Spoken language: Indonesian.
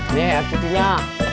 nih aku punya